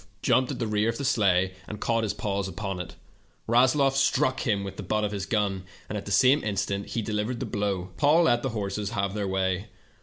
166 jumped at the rear of the sleigh caught his paws upon it. Rasloft' him with the butt of his gun, the same instant he delivered Paid let the horses have way.